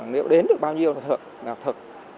nếu đến được bao nhiêu là thực